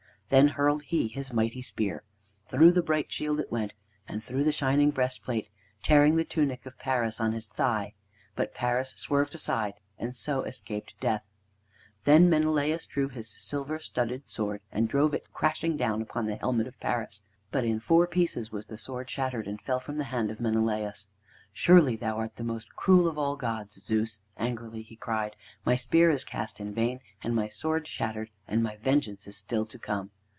Then hurled he his mighty spear. Through the bright shield it went, and through the shining breastplate, tearing the tunic of Paris on his thigh. But Paris swerved aside, and so escaped death. Then Menelaus drew his silver studded sword and drove it crashing down upon the helmet of Paris. But in four pieces was the sword shattered, and fell from the hand of Menelaus. "Surely art thou the most cruel of all the gods, Zeus!" angrily he cried. "My spear is cast in vain, and my sword shattered, and my vengeance is still to come!"